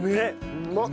うまっ！